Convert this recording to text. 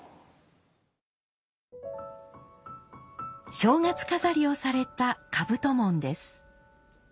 正月飾りをされた兜門です。